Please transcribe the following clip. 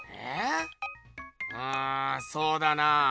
うんそうだなぁ。